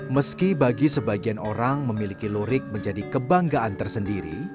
meski bagi sebagian orang memiliki lurik menjadi kebanggaan tersendiri